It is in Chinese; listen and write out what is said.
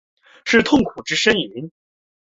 是痛苦之呻吟？